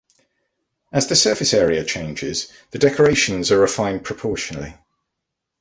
As the surface area changes, the decorations are refined proportionally.